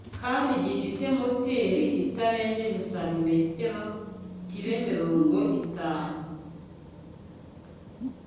kandi gifite moteri itarengeje santimetero kibe mirongo itanu